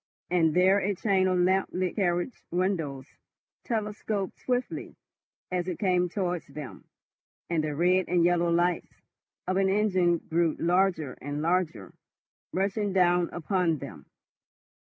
And there a chain of lamp lit carriage windows telescoped swiftly as it came towards them, and the red and yellow lights of an engine grew larger and larger, rushing down upon them.